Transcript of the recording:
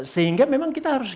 sehingga memang kita harus